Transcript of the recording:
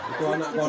itu anak kodok